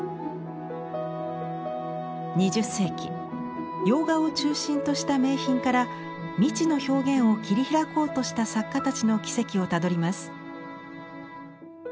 ２０世紀洋画を中心とした名品から未知の表現を切り開こうとした作家たちの軌跡をたどります。